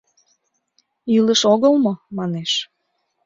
— Илыш огыл мо?! — манеш.